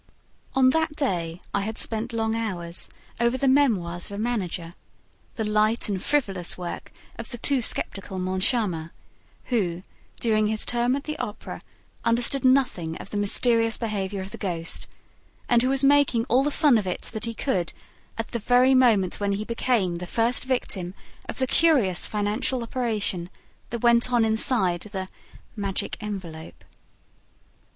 On that day, I had spent long hours over THE MEMOIRS OF A MANAGER, the light and frivolous work of the too skeptical Moncharmin, who, during his term at the Opera, understood nothing of the mysterious behavior of the ghost and who was making all the fun of it that he could at the very moment when he became the first victim of the curious financial operation that went on inside the "magic envelope."